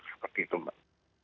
seperti itu pak